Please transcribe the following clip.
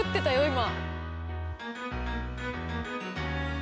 今。